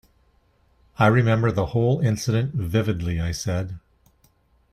"I remember the whole incident vividly," I said.